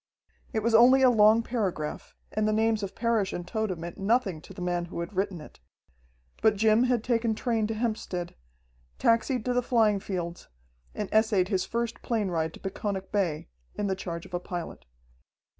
It was only a long paragraph, and the names of Parrish and Tode meant nothing to the man who had written it. But Jim had taken train to Hempstead, taxied to the flying fields, and essayed his first plane ride to Peconic Bay, in the charge of a pilot.